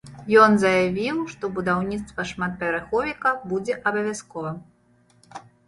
Ён заявіў, што будаўніцтва шматпавярховіка будзе абавязкова.